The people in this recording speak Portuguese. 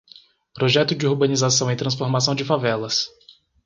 Projeto de urbanização e transformação de favelas